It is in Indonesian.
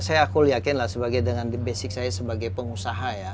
saya aku yakin lah sebagai dengan basic saya sebagai pengusaha ya